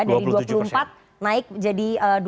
dari dua puluh empat naik jadi dua puluh tujuh